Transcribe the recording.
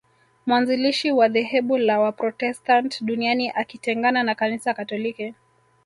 Mwanzilishi wa dhehebu la Waprotestant duniani akitengana na Kanisa katoliki